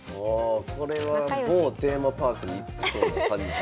これは某テーマパークに行ってそうな感じしますもんね。